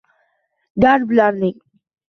Gar bularning